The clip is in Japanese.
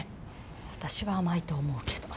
私は甘いと思うけど。